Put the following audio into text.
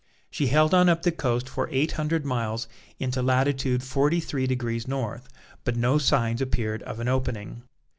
She held on up the coast for eight hundred miles into latitude forty three degrees North, but no signs appeared of an opening.